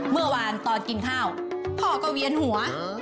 เมื่อวานตอนกินข้าวพ่อก็เวียนหัว